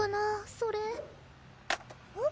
それえっ？